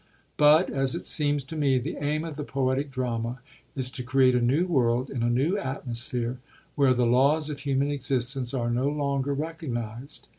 But, as it seems to me, the aim of the poetic drama is to create a new world in a new atmosphere, where the laws of human existence are no longer recognised.